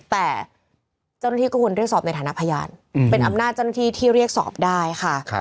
แต่เจ้าหน้าที่ก็ควรเรียกสอบในฐานะพยานเป็นอำนาจเจ้าหน้าที่ที่เรียกสอบได้ค่ะ